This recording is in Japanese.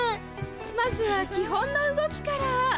まずは基本の動きから。